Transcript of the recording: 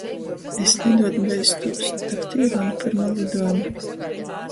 Es liduot beistūs! Tak tu īrauņ pyrma liduojuma.